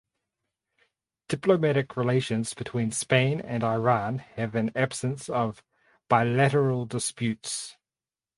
Diplomatic relations between Spain and Iran have an absence of bilateral disputes.